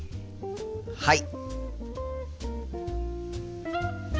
はい！